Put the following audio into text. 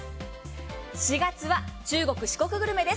４月は中国・四国グルメです。